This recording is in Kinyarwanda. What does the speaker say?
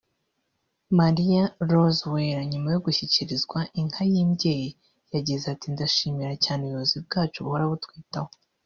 Marie Rose Uwera nyuma yo gushyikirizwa inka y’imbyeyi yagize ati “Ndashimira cyane ubuyobzi bwacu buhora butwitaho